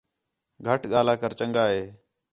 گَھٹ ڳاھلا کر چَنڳا ہے